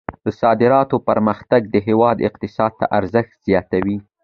د صادراتو پراختیا د هیواد اقتصاد ته ارزښت زیاتوي.